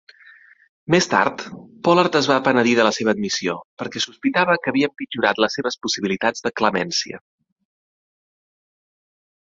Més tard, Pollard es va penedir de la seva admissió, perquè sospitava que havia empitjorat les seves possibilitats de clemència.